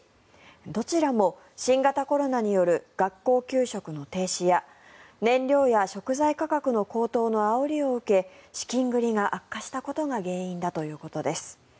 どちらも新型コロナによる学校給食の停止や燃料や食材価格の高騰のあおりを受け資金繰りが悪化したことが原因だということです。